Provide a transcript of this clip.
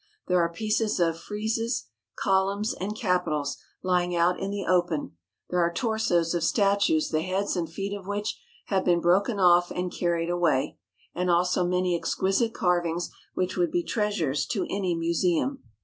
There are pieces of friezes, columns, and capitals lying out in the open; there are torsos of statues the heads and feet of which have been broken off and carried away; and also many exquisite carvings which would be treasures to any museum.